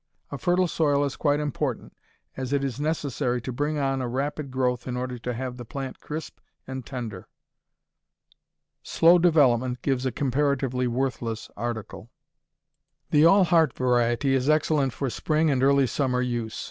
A fertile soil is quite important, as it is necessary to bring on a rapid growth in order to have the plant crisp and tender. Slow development gives a comparatively worthless article. The All Heart variety is excellent for spring and early summer use.